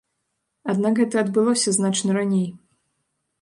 Аднак гэта адбылося значна раней.